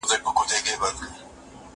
زه پرون درسونه ولوستل!.